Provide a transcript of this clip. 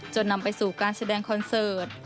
นำไปสู่การแสดงคอนเสิร์ต